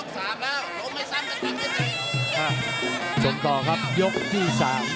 ส่วนต่อครับยกที่๓